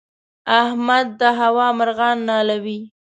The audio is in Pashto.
احمد د هوا مرغان نالوي.